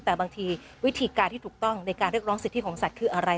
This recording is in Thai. แต่บางทีวิธีการที่ถูกต้องในการเรียกร้องสิทธิของสัตว์คืออะไร